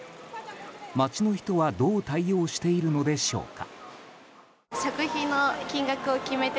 街の人はどう対応しているのでしょうか。